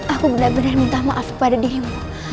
aku benar benar minta maaf kepada dirimu